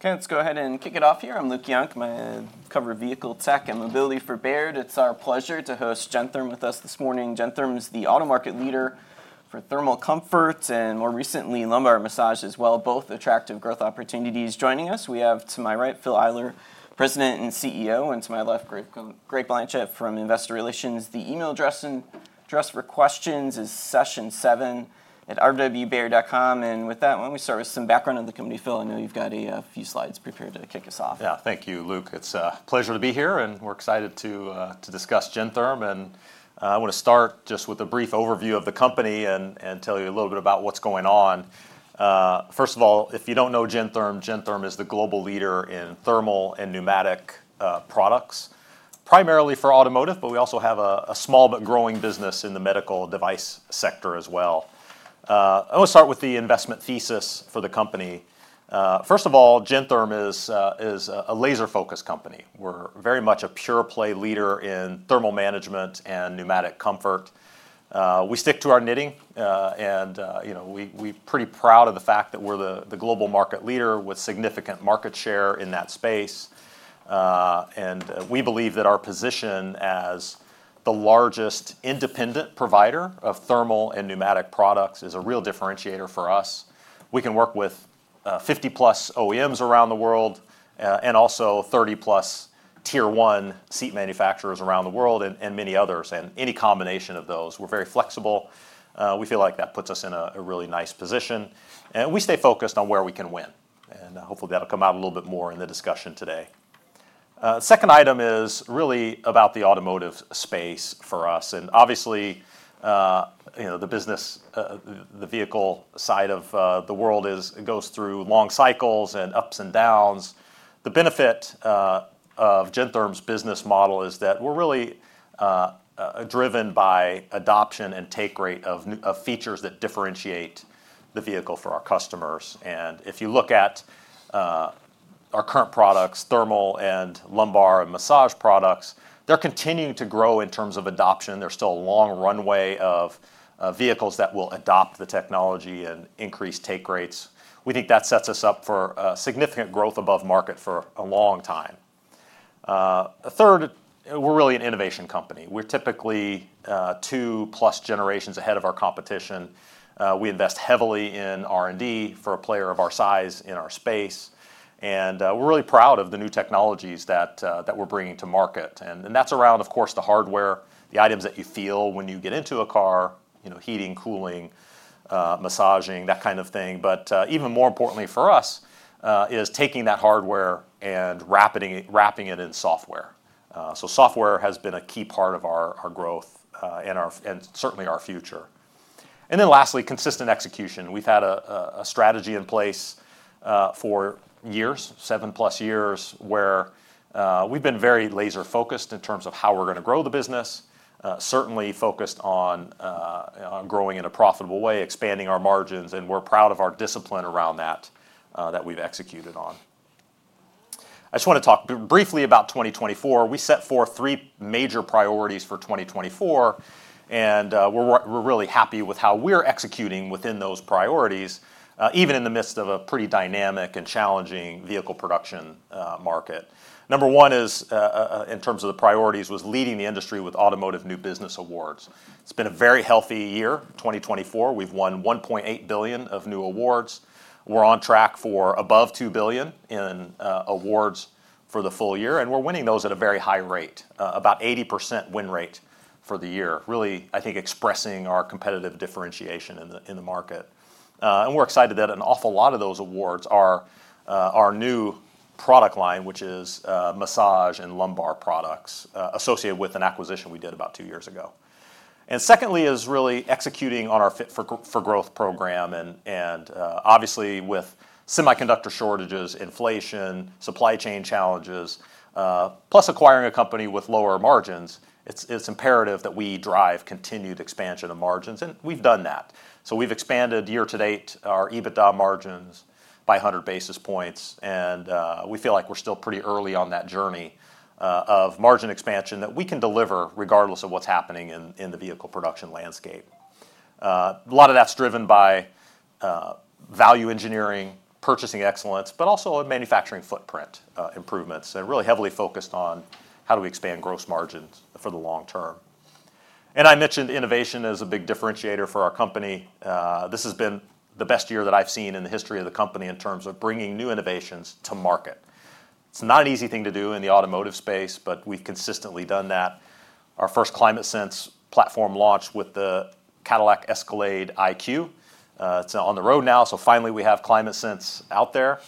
Okay, let's go ahead and kick it off here. I'm Luke Junk. I cover vehicle tech and mobility for Baird. It's our pleasure to host Gentherm with us this morning. Gentherm is the auto market leader for thermal comfort and, more recently, lumbar massage as well. Both attractive growth opportunities. Joining us, we have, to my right, Phil Eyler, President and CEO, and to my left, Greg Blanchette from Investor Relations. The email address for questions is session7@rwbaird.com. And with that, why don't we start with some background on the company, Phil? I know you've got a few slides prepared to kick us off. Yeah, thank you, Luke. It's a pleasure to be here, and we're excited to discuss Gentherm. And I want to start just with a brief overview of the company and tell you a little bit about what's going on. First of all, if you don't know Gentherm, Gentherm is the global leader in thermal and pneumatic products, primarily for automotive, but we also have a small but growing business in the medical device sector as well. I want to start with the investment thesis for the company. First of all, Gentherm is a laser-focused company. We're very much a pure-play leader in thermal management and pneumatic comfort. We stick to our knitting, and we're pretty proud of the fact that we're the global market leader with significant market share in that space. We believe that our position as the largest independent provider of thermal and pneumatic products is a real differentiator for us. We can work with 50+ OEMs around the world and also 30+ Tier 1 seat manufacturers around the world and many others, and any combination of those. We're very flexible. We feel like that puts us in a really nice position. We stay focused on where we can win. Hopefully, that'll come out a little bit more in the discussion today. The second item is really about the automotive space for us. Obviously, the business, the vehicle side of the world goes through long cycles and ups and downs. The benefit of Gentherm's business model is that we're really driven by adoption and take rate of features that differentiate the vehicle for our customers. If you look at our current products, thermal and lumbar and massage products, they're continuing to grow in terms of adoption. There's still a long runway of vehicles that will adopt the technology and increase take rates. We think that sets us up for significant growth above market for a long time. Third, we're really an innovation company. We're typically two-plus generations ahead of our competition. We invest heavily in R&D for a player of our size in our space. We're really proud of the new technologies that we're bringing to market. That's around, of course, the hardware, the items that you feel when you get into a car, heating, cooling, massaging, that kind of thing. Even more importantly for us is taking that hardware and wrapping it in software. Software has been a key part of our growth and certainly our future. And then lastly, consistent execution. We've had a strategy in place for years, seven-plus years, where we've been very laser-focused in terms of how we're going to grow the business, certainly focused on growing in a profitable way, expanding our margins. And we're proud of our discipline around that that we've executed on. I just want to talk briefly about 2024. We set forth three major priorities for 2024, and we're really happy with how we're executing within those priorities, even in the midst of a pretty dynamic and challenging vehicle production market. Number one is, in terms of the priorities, was leading the industry with Automotive New Business Awards. It's been a very healthy year, 2024. We've won $1.8 billion of new awards. We're on track for above $2 billion in awards for the full-year, and we're winning those at a very high rate, about 80% win rate for the year, really, I think, expressing our competitive differentiation in the market. And we're excited that an awful lot of those awards are our new product line, which is massage and lumbar products, associated with an acquisition we did about two years ago. And secondly is really executing on our Fit-for-Growth program. And obviously, with semiconductor shortages, inflation, supply chain challenges, plus acquiring a company with lower margins, it's imperative that we drive continued expansion of margins. And we've done that. So we've expanded year to date our EBITDA margins by 100 basis points. And we feel like we're still pretty early on that journey of margin expansion that we can deliver regardless of what's happening in the vehicle production landscape. A lot of that's driven by value engineering, purchasing excellence, but also manufacturing footprint improvements. And really heavily focused on how do we expand gross margins for the long term. And I mentioned innovation is a big differentiator for our company. This has been the best year that I've seen in the history of the company in terms of bringing new innovations to market. It's not an easy thing to do in the automotive space, but we've consistently done that. Our first ClimateSense platform launched with the Cadillac Escalade IQ. It's on the road now, so finally we have ClimateSense out there.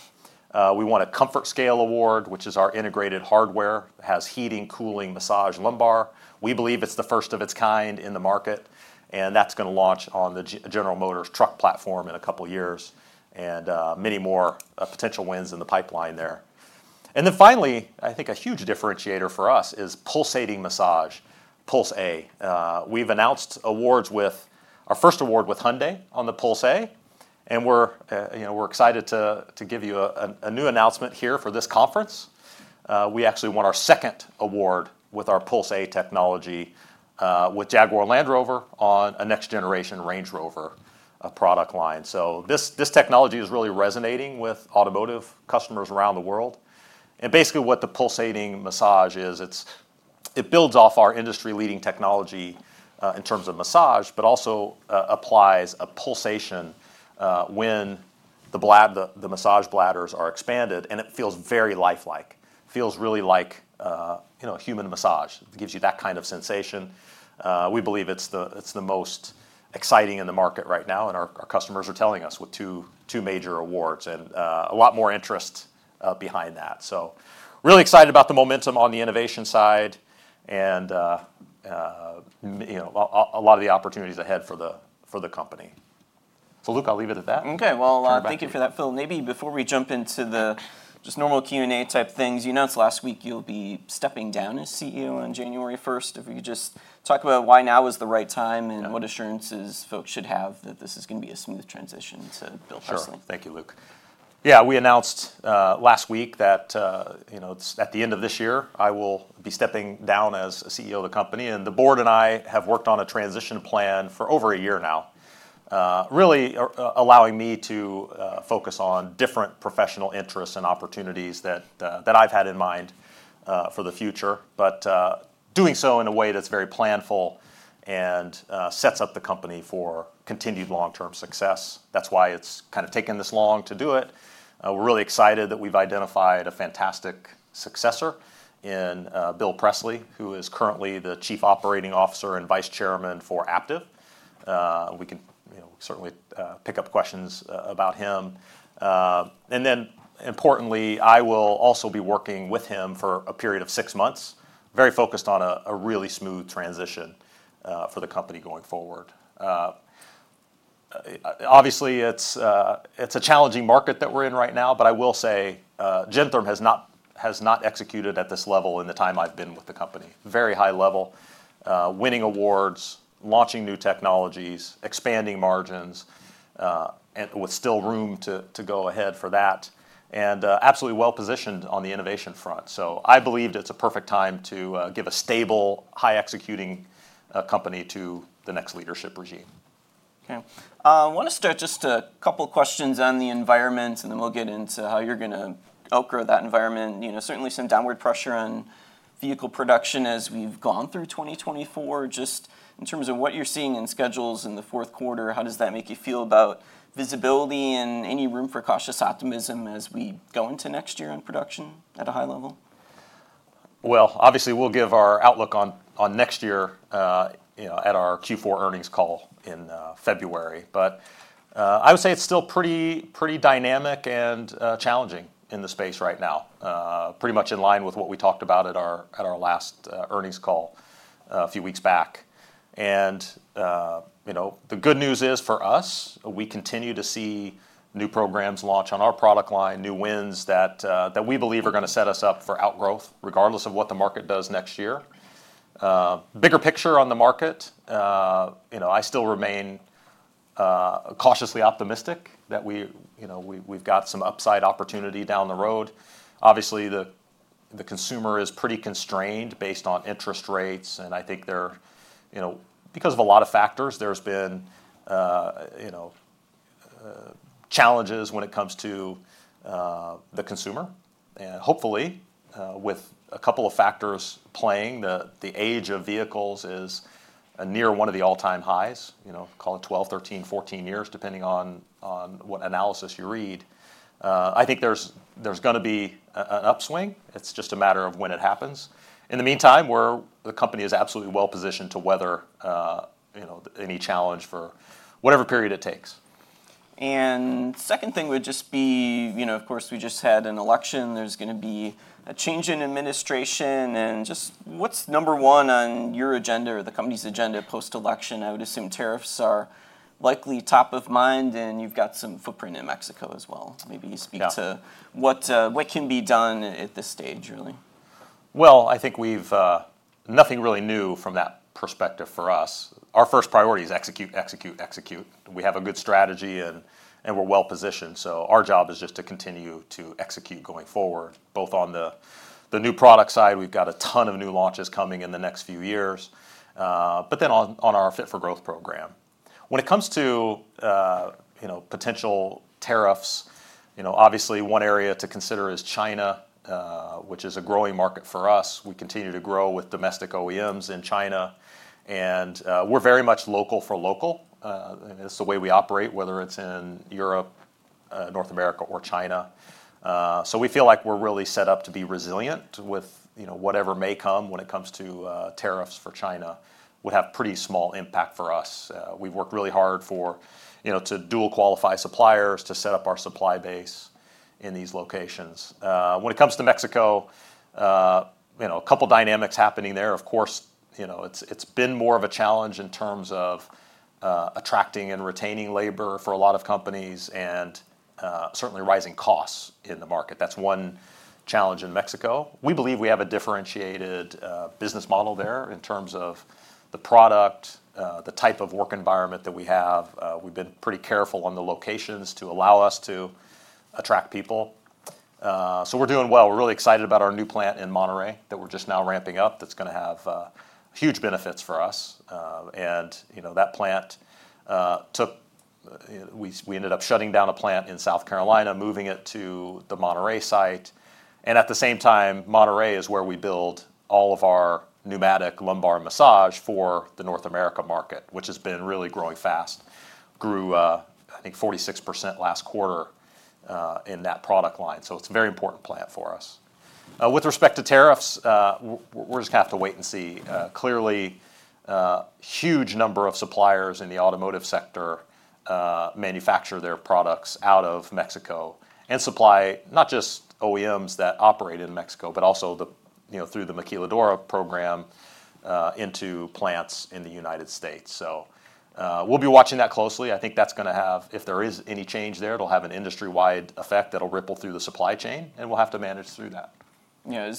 We won a ComfortScale Award, which is our integrated hardware. It has heating, cooling, massage, lumbar. We believe it's the first of its kind in the market, and that's going to launch on the General Motors truck platform in a couple of years and many more potential wins in the pipeline there, and then finally, I think a huge differentiator for us is pulsating massage, Puls.A. We've announced awards with our first award with Hyundai on the Puls.A, and we're excited to give you a new announcement here for this conference. We actually won our second award with our Puls.A technology with Jaguar Land Rover on a next-generation Range Rover product line, so this technology is really resonating with automotive customers around the world, and basically what the pulsating massage is, it builds off our industry-leading technology in terms of massage, but also applies a pulsation when the massage bladders are expanded, and it feels very lifelike. It feels really like human massage. It gives you that kind of sensation. We believe it's the most exciting in the market right now, and our customers are telling us with two major awards and a lot more interest behind that. So really excited about the momentum on the innovation side and a lot of the opportunities ahead for the company. So Luke, I'll leave it at that. Okay, well, thank you for that, Phil. Maybe before we jump into the just normal Q&A type things, you announced last week you'll be stepping down as CEO on January 1st. If you could just talk about why now is the right time and what assurances folks should have that this is going to be a smooth transition to Bill Presley. Sure. Thank you, Luke. Yeah, we announced last week that at the end of this year, I will be stepping down as CEO of the company, and the board and I have worked on a transition plan for over a year now, really allowing me to focus on different professional interests and opportunities that I've had in mind for the future, but doing so in a way that's very planful and sets up the company for continued long-term success. That's why it's kind of taken this long to do it. We're really excited that we've identified a fantastic successor in Bill Presley, who is currently the Chief Operating Officer and Vice Chairman for Aptiv. We can certainly pick up questions about him, and then importantly, I will also be working with him for a period of six months, very focused on a really smooth transition for the company going forward. Obviously, it's a challenging market that we're in right now, but I will say Gentherm has not executed at this level in the time I've been with the company. Very high level, winning awards, launching new technologies, expanding margins, and with still room to go ahead for that, and absolutely well-positioned on the innovation front. So I believe it's a perfect time to give a stable, high-executing company to the next leadership regime. Okay. I want to start just a couple of questions on the environment, and then we'll get into how you're going to outgrow that environment. Certainly some downward pressure on vehicle production as we've gone through 2024. Just in terms of what you're seeing in schedules in the fourth quarter, how does that make you feel about visibility and any room for cautious optimism as we go into next year in production at a high level? Obviously, we'll give our outlook on next year at our Q4 earnings call in February, but I would say it's still pretty dynamic and challenging in the space right now, pretty much in line with what we talked about at our last earnings call a few weeks back, and the good news is for us, we continue to see new programs launch on our product line, new wins that we believe are going to set us up for outgrowth regardless of what the market does next year. Bigger picture on the market, I still remain cautiously optimistic that we've got some upside opportunity down the road. Obviously, the consumer is pretty constrained based on interest rates, and I think because of a lot of factors, there's been challenges when it comes to the consumer. Hopefully, with a couple of factors playing, the age of vehicles is near one of the all-time highs, call it 12, 13, 14 years, depending on what analysis you read. I think there's going to be an upswing. It's just a matter of when it happens. In the meantime, the company is absolutely well-positioned to weather any challenge for whatever period it takes. And second thing would just be, of course, we just had an election. There's going to be a change in administration. And just what's number one on your agenda, the company's agenda post-election? I would assume tariffs are likely top of mind, and you've got some footprint in Mexico as well. Maybe you speak to what can be done at this stage, really. I think nothing really new from that perspective for us. Our first priority is execute, execute, execute. We have a good strategy, and we're well-positioned. Our job is just to continue to execute going forward, both on the new product side. We've got a ton of new launches coming in the next few years, but then on our Fit-for-Growth program. When it comes to potential tariffs, obviously, one area to consider is China, which is a growing market for us. We continue to grow with domestic OEMs in China. We're very much local for local. It's the way we operate, whether it's in Europe, North America, or China. We feel like we're really set up to be resilient with whatever may come when it comes to tariffs, for China would have pretty small impact for us. We've worked really hard to dual qualify suppliers to set up our supply base in these locations. When it comes to Mexico, a couple of dynamics happening there. Of course, it's been more of a challenge in terms of attracting and retaining labor for a lot of companies and certainly rising costs in the market. That's one challenge in Mexico. We believe we have a differentiated business model there in terms of the product, the type of work environment that we have. We've been pretty careful on the locations to allow us to attract people. So we're doing well. We're really excited about our new plant in Monterrey that we're just now ramping up that's going to have huge benefits for us, and that plant, we ended up shutting down a plant in South Carolina, moving it to the Monterrey site. And at the same time, Monterrey is where we build all of our pneumatic lumbar massage for the North America market, which has been really growing fast. Grew, I think, 46% last quarter in that product line. So it's a very important plant for us. With respect to tariffs, we're just going to have to wait and see. Clearly, a huge number of suppliers in the automotive sector manufacture their products out of Mexico and supply not just OEMs that operate in Mexico, but also through the Maquiladora program into plants in the United States. So we'll be watching that closely. I think that's going to have, if there is any change there, it'll have an industry-wide effect that'll ripple through the supply chain, and we'll have to manage through that. Yeah.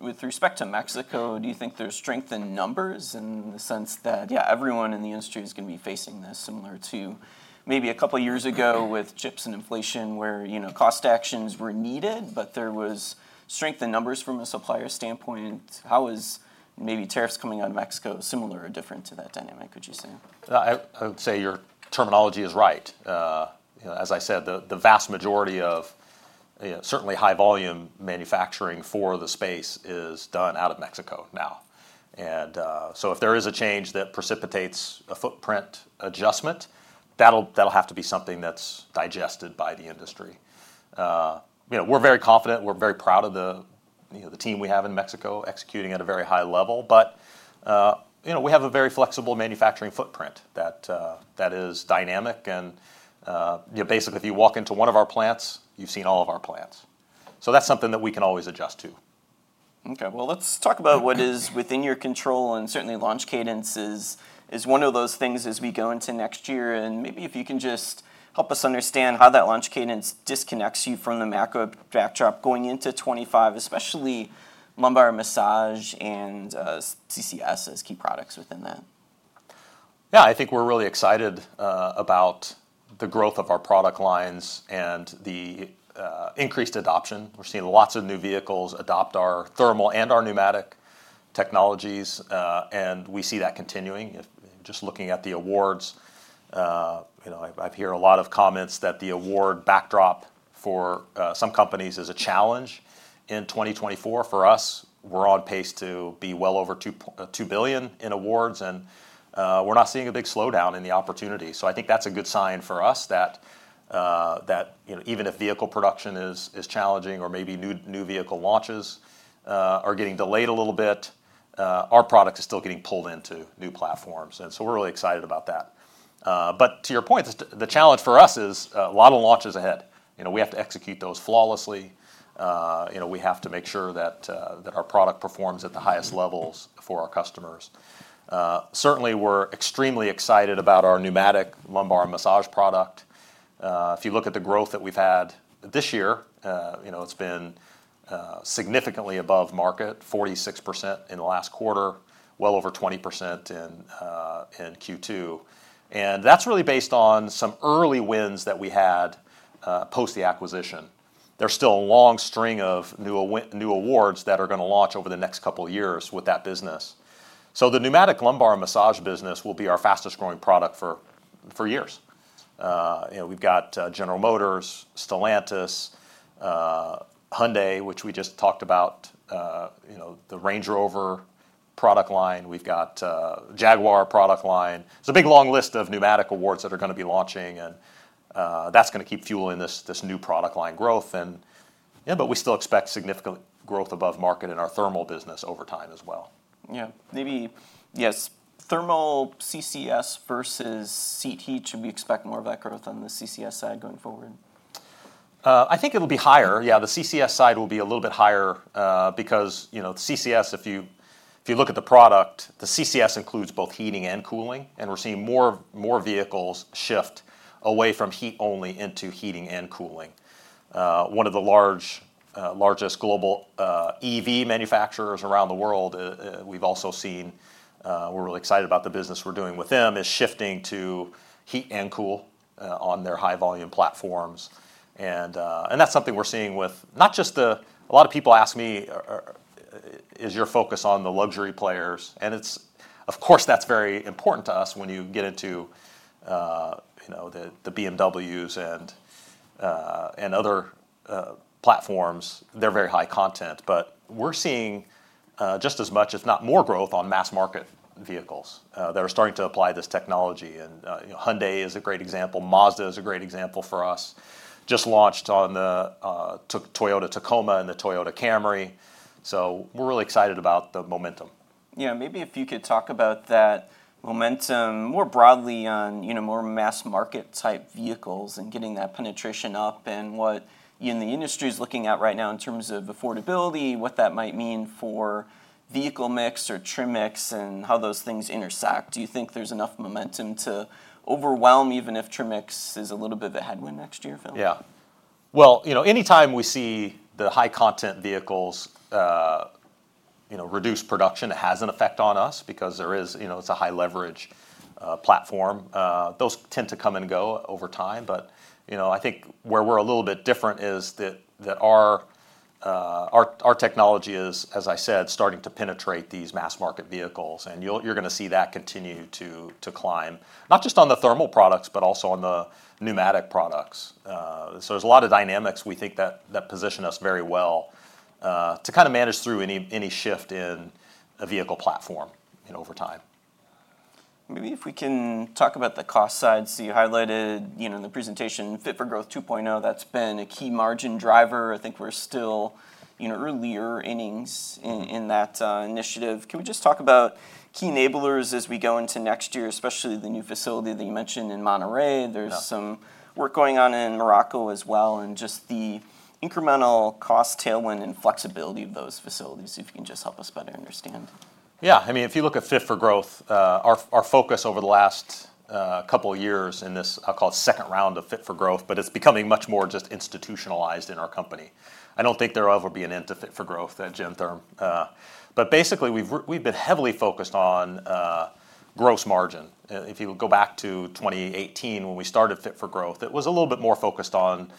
With respect to Mexico, do you think there's strength in numbers in the sense that, yeah, everyone in the industry is going to be facing this similar to maybe a couple of years ago with chips and inflation where cost actions were needed, but there was strength in numbers from a supplier standpoint? How is maybe tariffs coming out of Mexico similar or different to that dynamic, would you say? I would say your terminology is right. As I said, the vast majority of certainly high-volume manufacturing for the space is done out of Mexico now. And so if there is a change that precipitates a footprint adjustment, that'll have to be something that's digested by the industry. We're very confident. We're very proud of the team we have in Mexico executing at a very high level. But we have a very flexible manufacturing footprint that is dynamic. And basically, if you walk into one of our plants, you've seen all of our plants. So that's something that we can always adjust to. Okay, well, let's talk about what is within your control, and certainly launch cadence is one of those things as we go into next year, and maybe if you can just help us understand how that launch cadence disconnects you from the macro backdrop going into 2025, especially lumbar massage and CCS as key products within that? Yeah, I think we're really excited about the growth of our product lines and the increased adoption. We're seeing lots of new vehicles adopt our thermal and our pneumatic technologies, and we see that continuing. Just looking at the awards, I hear a lot of comments that the award backdrop for some companies is a challenge in 2024. For us, we're on pace to be well over $2 billion in awards, and we're not seeing a big slowdown in the opportunity, so I think that's a good sign for us that even if vehicle production is challenging or maybe new vehicle launches are getting delayed a little bit, our product is still getting pulled into new platforms, and so we're really excited about that, but to your point, the challenge for us is a lot of launches ahead. We have to execute those flawlessly. We have to make sure that our product performs at the highest levels for our customers. Certainly, we're extremely excited about our pneumatic lumbar massage product. If you look at the growth that we've had this year, it's been significantly above market, 46% in the last quarter, well over 20% in Q2, and that's really based on some early wins that we had post the acquisition. There's still a long string of new awards that are going to launch over the next couple of years with that business, so the pneumatic lumbar massage business will be our fastest-growing product for years. We've got General Motors, Stellantis, Hyundai, which we just talked about, the Range Rover product line. We've got Jaguar product line. It's a big, long list of pneumatic awards that are going to be launching, and that's going to keep fueling this new product line growth. But we still expect significant growth above market in our thermal business over time as well. Yeah. Maybe, yes, thermal CCS versus seat heat, should we expect more of that growth on the CCS side going forward? I think it'll be higher. Yeah, the CCS side will be a little bit higher because the CCS, if you look at the product, the CCS includes both heating and cooling. And we're seeing more vehicles shift away from heat only into heating and cooling. One of the largest global EV manufacturers around the world, we've also seen, we're really excited about the business we're doing with them, is shifting to heat and cool on their high-volume platforms. And that's something we're seeing with not just a lot of people ask me, is your focus on the luxury players? And of course, that's very important to us when you get into the BMWs and other platforms. They're very high content. But we're seeing just as much, if not more growth on mass-market vehicles that are starting to apply this technology. And Hyundai is a great example. Mazda is a great example for us. Just launched on the Toyota Tacoma and the Toyota Camry. So we're really excited about the momentum. Yeah. Maybe if you could talk about that momentum more broadly on more mass-market type vehicles and getting that penetration up and what the industry is looking at right now in terms of affordability, what that might mean for vehicle mix or trim mix and how those things intersect. Do you think there's enough momentum to overwhelm even if trim mix is a little bit of a headwind next year, Phil? Yeah. Well, anytime we see the high-content vehicles reduce production, it has an effect on us because it's a high-leverage platform. Those tend to come and go over time. But I think where we're a little bit different is that our technology is, as I said, starting to penetrate these mass-market vehicles. And you're going to see that continue to climb, not just on the thermal products, but also on the pneumatic products. So there's a lot of dynamics we think that position us very well to kind of manage through any shift in a vehicle platform over time. Maybe if we can talk about the cost side. So you highlighted in the presentation Fit-for-Growth 2.0. That's been a key margin driver. I think we're still earlier innings in that initiative. Can we just talk about key enablers as we go into next year, especially the new facility that you mentioned in Monterrey? There's some work going on in Morocco as well and just the incremental cost tailwind and flexibility of those facilities, if you can just help us better understand. Yeah. I mean, if you look at Fit-for-Growth, our focus over the last couple of years in this, I'll call it second round of Fit-for-Growth, but it's becoming much more just institutionalized in our company. I don't think there will ever be an end to Fit-for-Growth at Gentherm. But basically, we've been heavily focused on gross margin. If you go back to 2018 when we started Fit-for-Growth, it was a little bit more focused on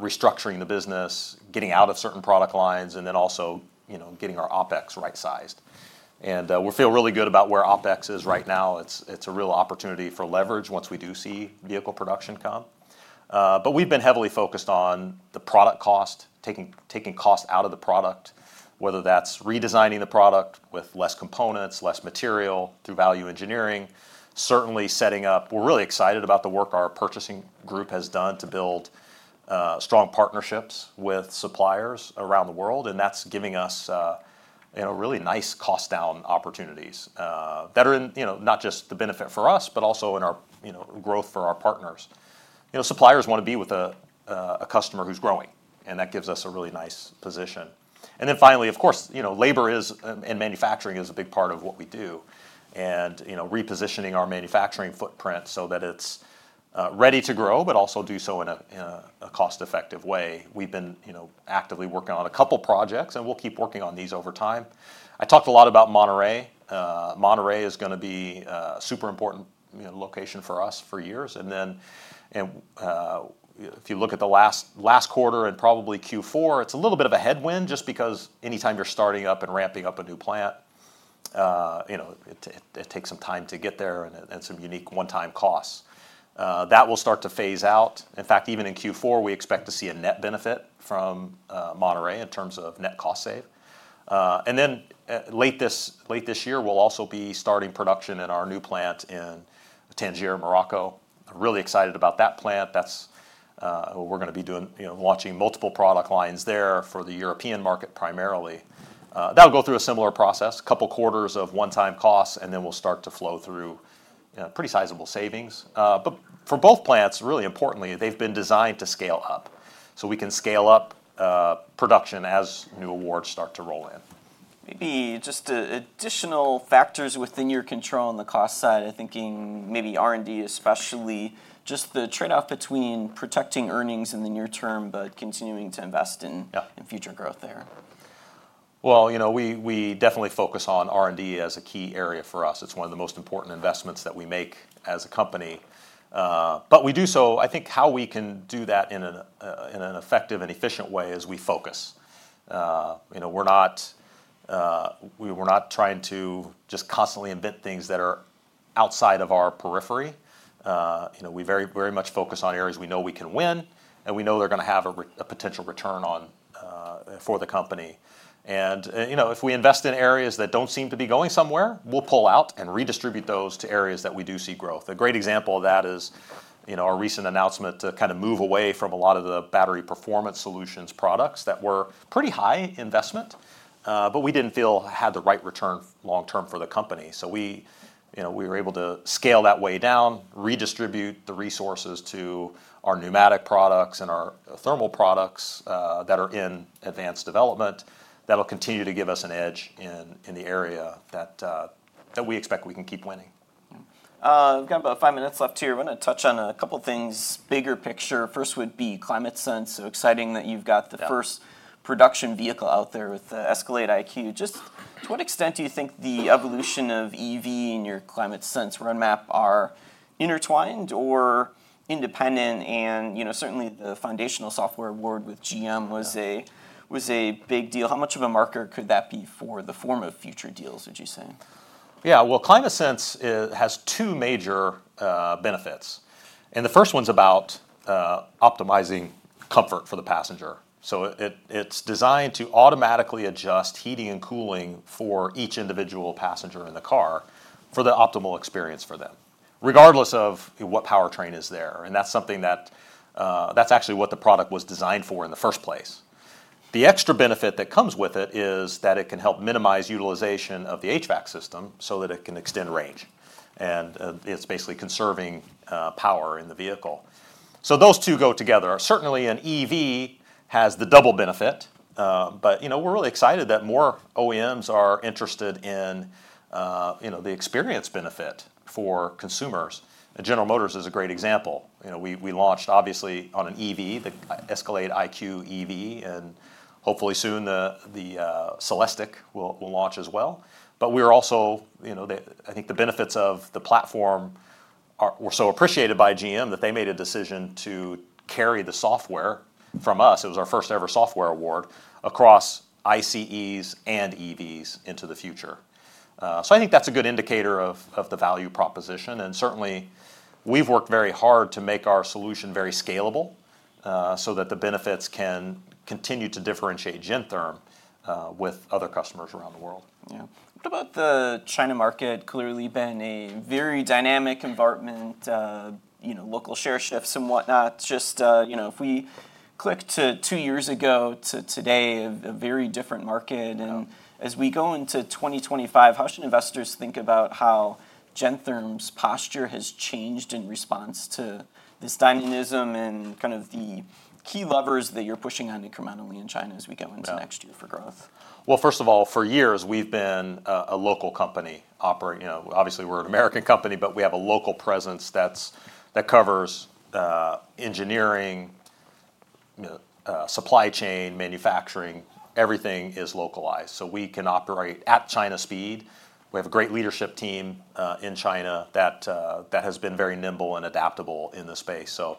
restructuring the business, getting out of certain product lines, and then also getting our OpEx right-sized. And we feel really good about where OpEx is right now. It's a real opportunity for leverage once we do see vehicle production come. But we've been heavily focused on the product cost, taking cost out of the product, whether that's redesigning the product with less components, less material through value engineering, certainly setting up. We're really excited about the work our purchasing group has done to build strong partnerships with suppliers around the world, and that's giving us really nice cost-down opportunities that are not just the benefit for us, but also in our growth for our partners. Suppliers want to be with a customer who's growing, and that gives us a really nice position, and then finally, of course, labor and manufacturing is a big part of what we do and repositioning our manufacturing footprint so that it's ready to grow, but also do so in a cost-effective way. We've been actively working on a couple of projects, and we'll keep working on these over time. I talked a lot about Monterrey. Monterrey is going to be a super important location for us for years. And then, if you look at the last quarter and probably Q4, it's a little bit of a headwind just because anytime you're starting up and ramping up a new plant, it takes some time to get there and some unique one-time costs. That will start to phase out. In fact, even in Q4, we expect to see a net benefit from Monterrey in terms of net cost savings. And then late this year, we'll also be starting production at our new plant in Tangier, Morocco. Really excited about that plant. We're going to be launching multiple product lines there for the European market primarily. That'll go through a similar process, a couple of quarters of one-time costs, and then we'll start to flow through pretty sizable savings. But for both plants, really importantly, they've been designed to scale up. So we can scale up production as new awards start to roll in. Maybe just additional factors within your control on the cost side. I'm thinking maybe R&D, especially just the trade-off between protecting earnings in the near term, but continuing to invest in future growth there. We definitely focus on R&D as a key area for us. It's one of the most important investments that we make as a company. But we do so. I think how we can do that in an effective and efficient way is we focus. We're not trying to just constantly invent things that are outside of our periphery. We very much focus on areas we know we can win, and we know they're going to have a potential return for the company. And if we invest in areas that don't seem to be going somewhere, we'll pull out and redistribute those to areas that we do see growth. A great example of that is our recent announcement to kind of move away from a lot of the battery performance solutions products that were pretty high investment, but we didn't feel had the right return long-term for the company. So we were able to scale that way down, redistribute the resources to our pneumatic products and our thermal products that are in advanced development that'll continue to give us an edge in the area that we expect we can keep winning. We've got about five minutes left here. I want to touch on a couple of things, bigger picture. First would be ClimateSense. So exciting that you've got the first production vehicle out there with Escalade IQ. Just to what extent do you think the evolution of EV and your ClimateSense roadmap are intertwined or independent? And certainly, the foundational software award with GM was a big deal. How much of a marker could that be for the form of future deals, would you say? Yeah. Well, ClimateSense has two major benefits. And the first one's about optimizing comfort for the passenger. So it's designed to automatically adjust heating and cooling for each individual passenger in the car for the optimal experience for them, regardless of what powertrain is there. And that's something that's actually what the product was designed for in the first place. The extra benefit that comes with it is that it can help minimize utilization of the HVAC system so that it can extend range. And it's basically conserving power in the vehicle. So those two go together. Certainly, an EV has the double benefit. But we're really excited that more OEMs are interested in the experience benefit for consumers. And General Motors is a great example. We launched, obviously, on an EV, the Escalade IQ EV. And hopefully soon, the Celestiq will launch as well. But we are also, I think the benefits of the platform were so appreciated by GM that they made a decision to carry the software from us. It was our first-ever software award across ICEs and EVs into the future. So I think that's a good indicator of the value proposition. And certainly, we've worked very hard to make our solution very scalable so that the benefits can continue to differentiate Gentherm with other customers around the world. Yeah. What about the China market? Clearly, been a very dynamic environment, local share shifts and whatnot. Just if we click to two years ago to today, a very different market. And as we go into 2025, how should investors think about how Gentherm's posture has changed in response to this dynamism and kind of the key levers that you're pushing on incrementally in China as we go into next year for growth? First of all, for years, we've been a local company. Obviously, we're an American company, but we have a local presence that covers engineering, supply chain, manufacturing. Everything is localized so we can operate at China speed. We have a great leadership team in China that has been very nimble and adaptable in this space so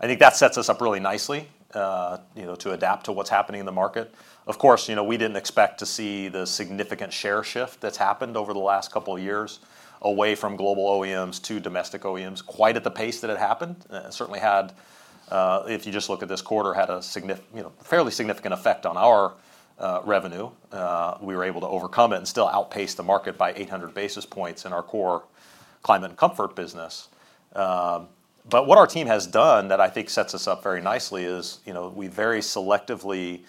I think that sets us up really nicely to adapt to what's happening in the market. Of course, we didn't expect to see the significant share shift that's happened over the last couple of years away from global OEMs to domestic OEMs quite at the pace that it happened and certainly, if you just look at this quarter, it had a fairly significant effect on our revenue. We were able to overcome it and still outpace the market by 800 basis points in our core climate and comfort business. But what our team has done that I think sets us up very nicely is we very selectively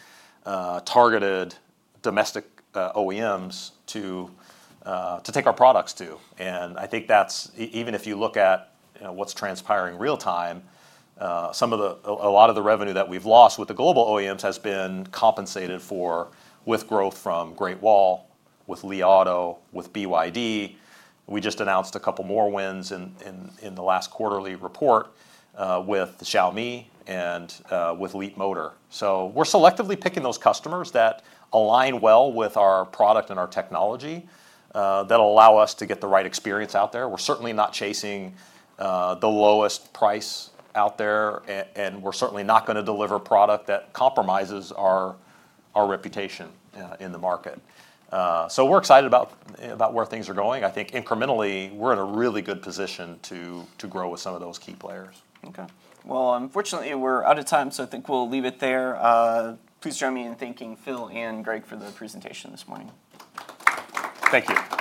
targeted domestic OEMs to take our products to. And I think that's even if you look at what's transpiring real time, a lot of the revenue that we've lost with the global OEMs has been compensated for with growth from Great Wall, with Li Auto, with BYD. We just announced a couple more wins in the last quarterly report with Xiaomi and with Leapmotor. So we're selectively picking those customers that align well with our product and our technology that'll allow us to get the right experience out there. We're certainly not chasing the lowest price out there. And we're certainly not going to deliver product that compromises our reputation in the market. So we're excited about where things are going. I think incrementally, we're in a really good position to grow with some of those key players. Okay. Well, unfortunately, we're out of time. So I think we'll leave it there. Please join me in thanking Phil and Greg for the presentation this morning. Thank you.